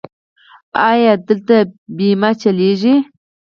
ایا دلته بیمه چلیږي؟